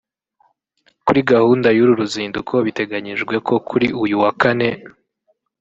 Kuri gahunda y’uru ruzinduko biteganyijwe ko kuri uyu wa Kane